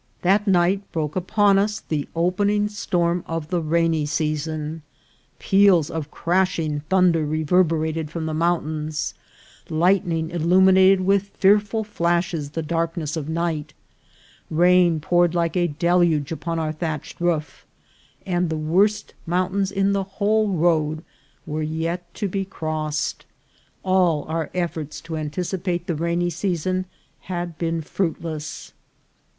That night broke upon us the opening storm of the rainy season. Peals of crashing thunder reverberated from the mountains, lightning illuminated with fearful flashes the darkness of night, rain poured like a deluge RUINS AT OCOSINGO. 257 upon our thatched roof, and the worst mountains in the whole road were yet to be crossed. All our efforts to anticipate the rainy season had been fruitless.